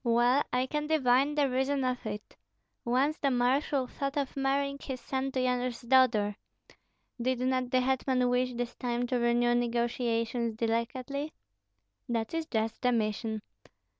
Well, I can divine the reason of it. Once the marshal thought of marrying his son to Yanush's daughter. Did not the hetman wish this time to renew negotiations delicately?" "That is just the mission."